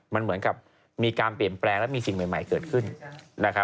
มันเหมือนกับมีการเปลี่ยนแปลงและมีสิ่งใหม่เกิดขึ้นนะครับ